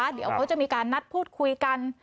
เดี๋ยวเขาจะมีการนัดพูดคุยกัน